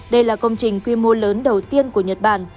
đây là công trình quy mô lớn đầu tiên của nhật bản